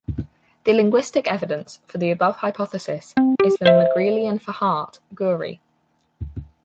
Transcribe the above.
The linguistic evidence for the above hypothesis is the Megrelian for "heart" - "guri".